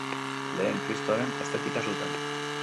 Lehen, kristoren estetika zuten!